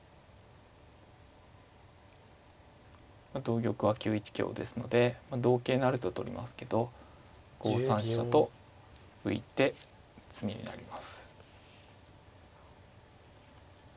同玉は９一香ですので同桂成と取りますけど５三飛車と浮いて詰みになります。